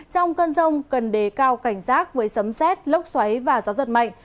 trong cơn rông cần đề cao cảnh giác với sấm xét lốc xoáy và gió giật mạnh